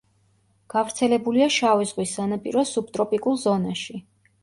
გავრცელებულია შავი ზღვის სანაპიროს სუბტროპიკულ ზონაში.